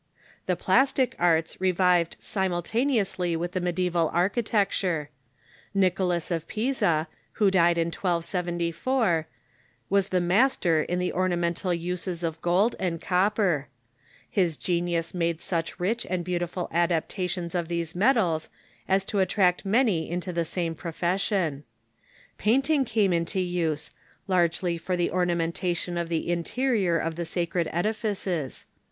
The plastic arts revived simultaneously with the medineval architecture. Nicolas of Pisa, who died in 1274, was the mas ter in the ornamental uses of gold and copper. His Plastic Arts .. genius made such rich and beautiful adaptations of these metals as to attract many into the same profession. Painting came into use, largely for the ornamentation of the interior of the sacred edifices.